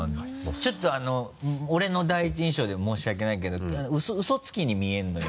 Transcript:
ちょっとあの俺の第一印象で申し訳ないけど嘘つきに見えるのよ。